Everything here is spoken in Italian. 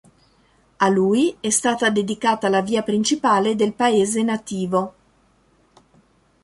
A lui è stata dedicata la via principale del paese nativo.